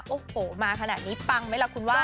โอ้โหมาขนาดนี้ปังไหมล่ะคุณว่า